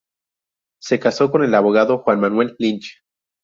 Se casó con el abogado Juan Manuel Lynch.